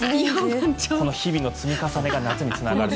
日々の積み重ねが夏につながる。